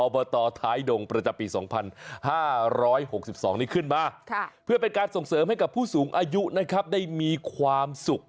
อบตท้ายดงประจำปี๒๕๖๒นี่ขึ้นมา